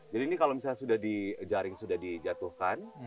jadi ini kalau misalnya jaring sudah dijatuhkan